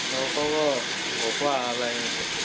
แล้วเขาก็บอกว่าอะไร